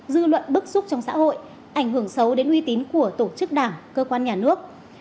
dư luận bức xúc trong xã hội ảnh hưởng xấu đến uy tín của tổ chức đảng cơ quan nhà nước